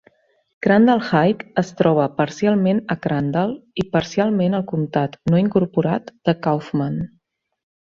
Crandall High es troba parcialment a Crandall i parcialment al comtat no incorporat de Kaufman.